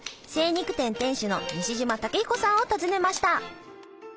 精肉店店主の西島武彦さんを訪ねました。